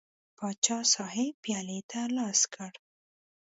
پاچا صاحب پیالې ته لاس کړ.